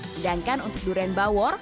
sedangkan untuk durian bawor